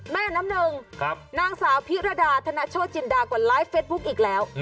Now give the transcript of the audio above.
แม่น้ำหนึ่งนางสาวพิรดาธนโชจินดากว่าไลฟ์เฟสบุ๊คอีกแล้ว